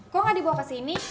kok gak dibawa kesini